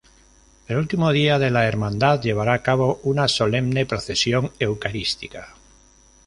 El último día la Hermandad llevará a cabo una Solemne procesión Eucarística.